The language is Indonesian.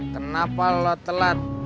kenapa lo telat